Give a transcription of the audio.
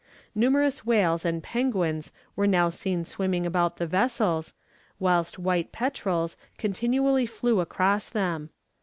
Numerous whales and penguins were now seen swimming about the vessels, whilst white petrels continually flew across them.